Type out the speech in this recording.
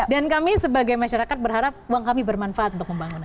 dan kami sebagai masyarakat berharap uang kami bermanfaat untuk membangun